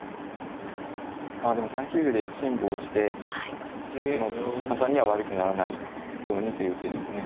まあでも３九歩で辛抱してその簡単には悪くならないようにという手ですね。